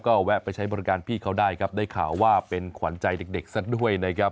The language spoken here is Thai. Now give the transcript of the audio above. ก็แวะไปใช้บริการพี่เขาได้ครับได้ข่าวว่าเป็นขวัญใจเด็กสักด้วยนะครับ